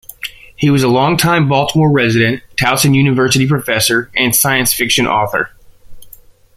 He was a long-time Baltimore resident, Towson University professor, and science fiction author.